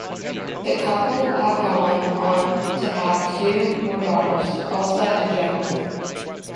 The couple have gone on to have two more daughters, Elsa and Gemma.